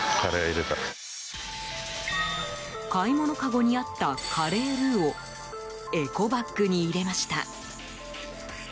買い物かごにあったカレールーをエコバッグに入れました。